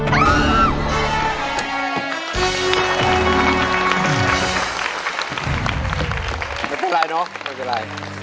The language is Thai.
เป็นปัญหาเนอะ